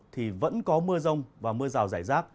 thì vẫn có mưa rông và mưa rào rải rác